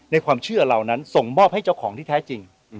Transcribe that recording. ความเชื่อเหล่านั้นส่งมอบให้เจ้าของที่แท้จริง